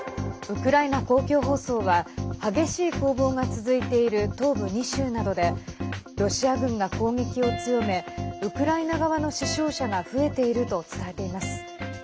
ウクライナ公共放送は激しい攻防が続いている東部２州などでロシア軍が攻撃を強めウクライナ側の死傷者が増えていると伝えています。